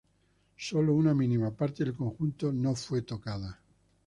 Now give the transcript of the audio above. Sólo una mínima parte del conjunto no fue tocada.